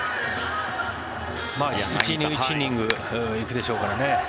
１イニング、１イニング行くでしょうからね。